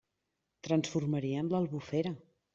Transformarien l'Albufera!